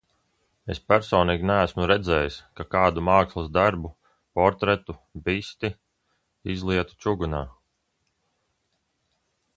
Es personīgi neesmu redzējis, ka kādu mākslas darbu, portretu, bisti, izlietu čugunā.